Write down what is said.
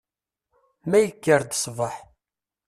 Ma yekker-d sbeḥ.